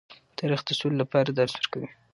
تاریخ د سولې لپاره درس ورکوي.